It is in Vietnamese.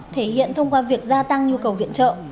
thể hiện thông qua việc gia tăng nhu cầu viện trợ